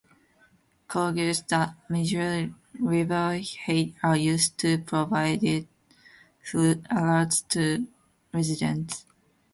Gauges that measure river height are used to provide flood alerts to residents.